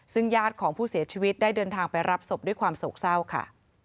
ซึ่งญาติของผู้เสียชีวิตได้เดินทางไปรับศพด้วยความโศกเศร้าค่ะ